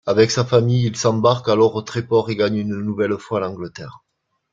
Avec sa famille, il s'embarque alors au Tréport et gagne une nouvelle fois l'Angleterre.